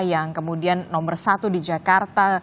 yang kemudian nomor satu di jakarta